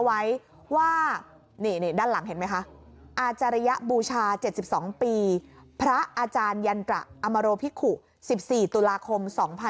อาจารยบูชา๗๒ปีพระอาจารยันตระอมรภิกษุ๑๔ตุลาคม๒๕๖๖